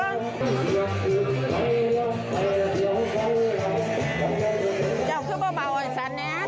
บ่าไปฟังเลยอยู่นั่นเดี๋ยวเรายืนนั่นเรายังไม่ไปเลยน่ะ